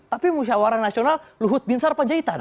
tapi musyawarah nasional luhut binsar panjaitan